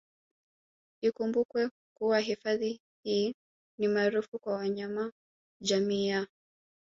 Ikumbukwe kuwa hifadhi hii ni maarufu kwa wanyama jamii ya